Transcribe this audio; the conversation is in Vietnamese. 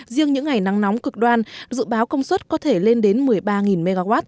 riêng những ngày nắng nóng cực đoan dự báo công suất có thể lên đến một mươi ba mw